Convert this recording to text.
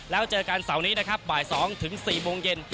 แล้วเจอกันเสาร์นี้นะครับบ่าย๒ถึง๔โมงเย็น